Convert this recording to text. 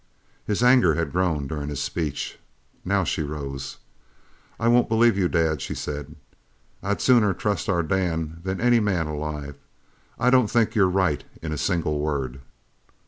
Her anger had grown during this speech. Now she rose. "I won't believe you, Dad," she said. "I'd sooner trust our Dan than any man alive. I don't think you're right in a single word!"